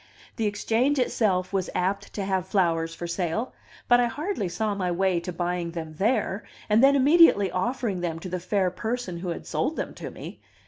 The Exchange itself was apt to have flowers for sale, but I hardly saw my way to buying them there, and then immediately offering them to the fair person who had sold them to me.